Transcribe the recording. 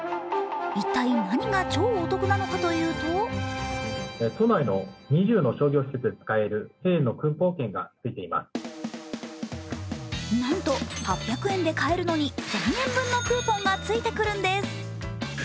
一体何が超お得なのかというとなんと８００円で買えるのに１０００円分のクーポンがついてくるんです。